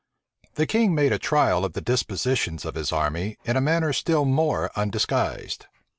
The king made a trial of the dispositions of his army, in a manner still more undisguised.